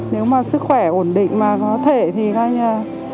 nếu mà sức khỏe ổn định mà có thể thì nói như là